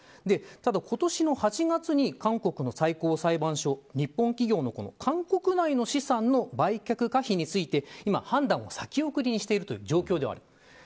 ただ、今年の８月に韓国の最高裁判所日本企業の韓国内の資産の売却可否について今、判断を先送りにしているという状況ではある。